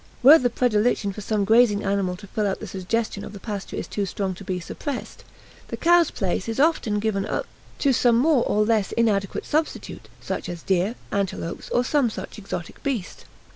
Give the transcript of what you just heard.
Where the predilection for some grazing animal to fill out the suggestion of the pasture is too strong to be suppressed, the cow's place is often given to some more or less inadequate substitute, such as deer, antelopes, or some such exotic beast.